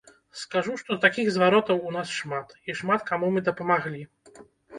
Скажу, што такіх зваротаў у нас шмат, і шмат каму мы дапамаглі.